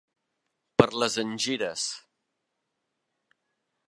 Per les engires.